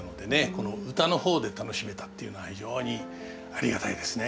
この唄の方で楽しめたっていうのは非常にありがたいですね。